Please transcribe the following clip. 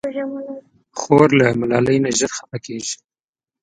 خور له ملالۍ نه ژر خفه کېږي.